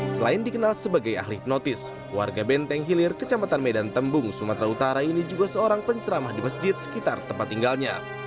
selain dikenal sebagai ahli hipnotis warga benteng hilir kecamatan medan tembung sumatera utara ini juga seorang penceramah di masjid sekitar tempat tinggalnya